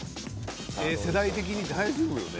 ええ世代的に大丈夫よね？